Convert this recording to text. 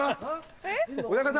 親方！